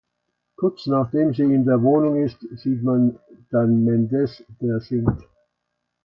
Kurz nach dem sie in der Wohnung ist sieht man dann Mendes der singt.